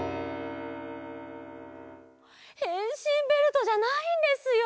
へんしんベルトじゃないんですよ。